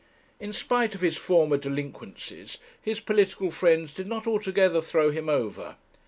In spite of his former delinquencies, his political friends did not altogether throw him over.